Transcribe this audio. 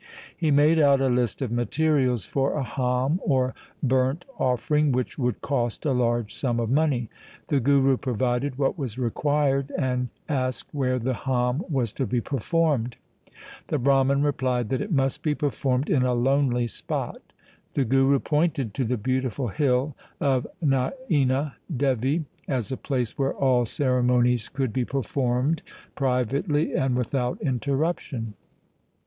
He made out a list of materials for a horn or burnt offering, which would cost a large sum of money. The Guru provided what was required, and asked where the hom was to be performed. The Brah man replied that it must be performed in a lonely spot. The Guru pointed to the beautiful hill of Naina Devi as a place where all ceremonies could be performed privately and without interruption.